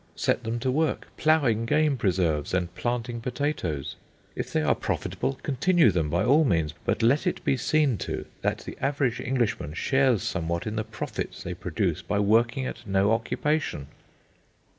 Set them to work ploughing game preserves and planting potatoes. If they are profitable, continue them by all means, but let it be seen to that the average Englishman shares somewhat in the profits they produce by working at no occupation.